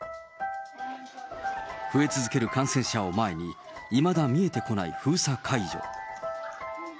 増え続ける感染者を前に、いまだ見えてこない封鎖解除。